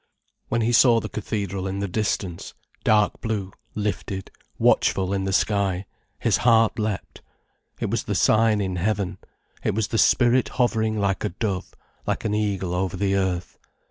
When he saw the cathedral in the distance, dark blue lifted watchful in the sky, his heart leapt. It was the sign in heaven, it was the Spirit hovering like a dove, like an eagle over the earth.